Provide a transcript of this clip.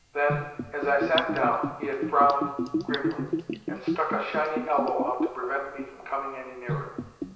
Then, as I sat down, he had frowned grimly, and stuck a shiny elbow out to prevent me from coming any nearer.